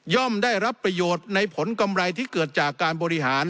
ได้รับประโยชน์ในผลกำไรที่เกิดจากการบริหาร